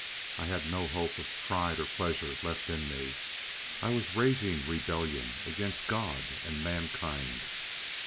I had no hope of pride or pleasure left in me, I was raging rebellion against God and mankind.